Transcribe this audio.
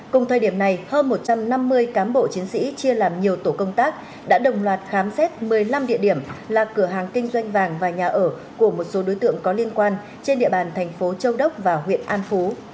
cùng thời điểm này hơn một trăm năm mươi cán bộ chiến sĩ chia làm nhiều tổ công tác đã đồng loạt khám xét một mươi năm địa điểm là cửa hàng kinh doanh vàng và nhà ở của một số đối tượng có liên quan trên địa bàn thành phố châu đốc và huyện an phú